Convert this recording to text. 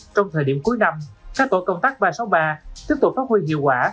trong thời điểm cuối năm các tổ công tác ba trăm sáu mươi ba tiếp tục phát huy hiệu quả